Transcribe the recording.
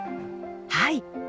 はい。